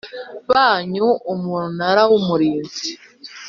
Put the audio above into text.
banyu Umunara w Umurinzi